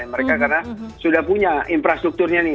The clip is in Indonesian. mereka sudah punya infrastrukturnya